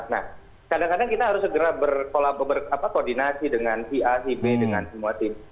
nah kadang kadang kita harus segera berkoordinasi dengan si a si b dengan semua tim